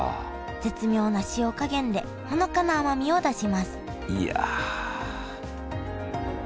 絶妙な塩加減でほのかな甘みを出しますいや。